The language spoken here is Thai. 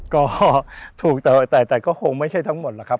ก็ถูกแต่ก็คงไม่ใช่ทั้งหมดหรอกครับ